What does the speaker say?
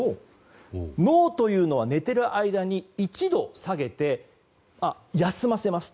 脳というのは寝ている間に１度下げて、休ませます。